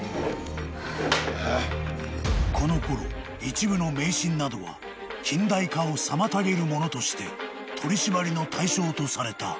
［このころ一部の迷信などは近代化を妨げるものとして取り締まりの対象とされた］